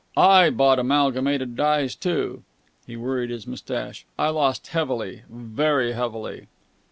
I bought Amalgamated Dyes, too." He worried his moustache. "I lost heavily, very heavily."